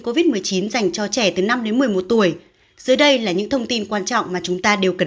covid một mươi chín dành cho trẻ từ năm đến một mươi một tuổi dưới đây là những thông tin quan trọng mà chúng ta đều cần